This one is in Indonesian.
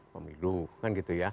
pemilu kan gitu ya